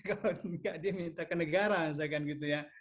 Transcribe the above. enggak dia minta ke negara misalkan gitu ya